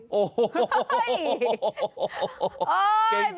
โอ้โหโหโหโหโหเก่งเก่งเก่ง